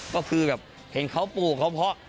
ก็คือแบบเห็นเขาปลูกเขาเพาะ